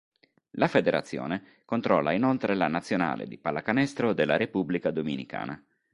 La federazione controlla inoltre la nazionale di pallacanestro della Repubblica Dominicana.